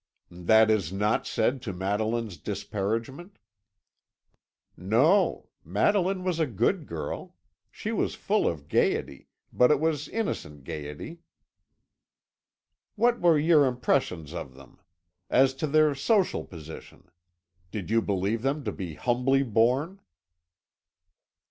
"That is not said to Madeline's disparagement?" "No. Madeline was a good girl. She was full of gaiety, but it was innocent gaiety." "What were your impressions of them? As to their social position? Did you believe them to be humbly born?"